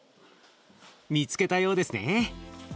見つけたようですね。